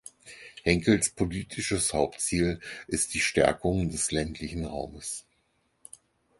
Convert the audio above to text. Henkels politisches Hauptziel ist die Stärkung des ländlichen Raumes.